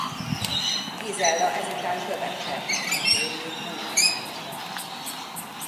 Gizella ezután követte ifjú férjét új hazájába.